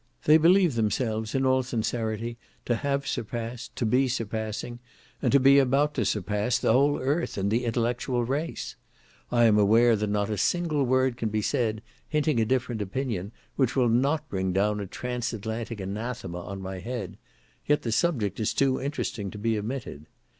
They believe themselves in all sincerity to have surpassed, to be surpassing, and to be about to surpass, the whole earth in the intellectual race. I am aware that not a single word can be said, hinting a different opinion, which will not bring down a transatlantic anathema on my head; yet the subject is too interesting to be omitted.